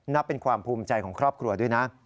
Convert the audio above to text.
นับเป็นความภูมิใจของครอบครัวด้วยนะ